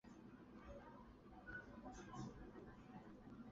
鹿村芝麻蜗牛为芝麻蜗牛科芝麻蜗牛属下的一个种。